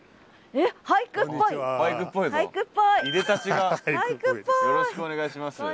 よろしくお願いします。